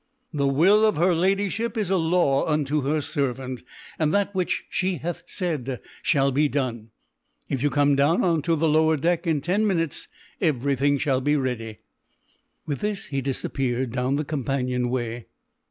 "The will of her Ladyship is a law unto her servant, and that which she hath said shall be done! If you come down on to the lower deck in ten minutes everything shall be ready." With this he disappeared down the companion way.